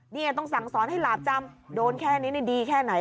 เนี่ยต้องสั่งสอนให้หลาบจำโดนแค่นี้ดีแค่ไหน